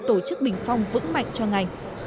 tổ chức bình phong vững mạnh cho ngành